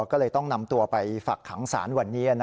ก็เลยต้องนำตัวไปฝักขังสารวันนี้